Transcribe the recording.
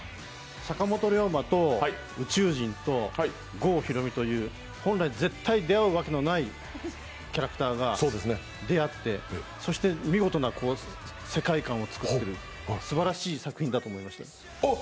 坂本龍馬と宇宙人と郷ひろみという本来、絶対出会うわけのないキャラクターが出会ってそして見事な世界観を作ってる、すばらしい作品だと思いました。